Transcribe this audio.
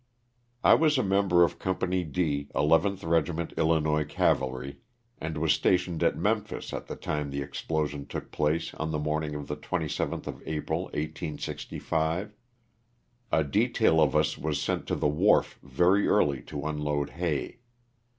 T WAS a member of company D, 11th Regiment Illinois Cavalry, and was stationed at Memphis at the time the explosion took place on the morning of the 27th of A pril, 1865. A detail of us was sent to the wharf very early to unload hay.